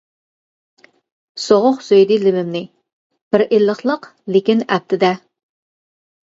سوغۇق سۆيدى لېۋىمنى، بىر ئىللىقلىق لېكىن ئەپتىدە.